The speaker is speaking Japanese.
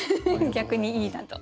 逆にいいなと。